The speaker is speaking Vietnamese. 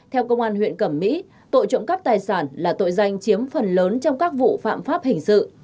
theo công an huyện cẩm mỹ tội trộm cắp tài sản là tội danh chiếm phần lớn trong các vụ phạm pháp hình sự